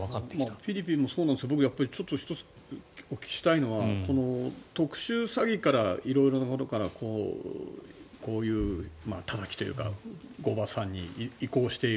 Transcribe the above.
フィリピンもそうなんですがちょっと１つお聞きしたいのは特殊詐欺から色々なことからこういうたたきとかに移行している。